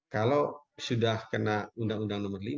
kalau sudah kena undang undang nomor lima